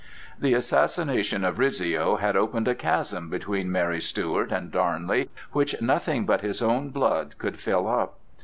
The assassination of Rizzio had opened a chasm between Mary Stuart and Darnley which nothing but his own blood could fill up.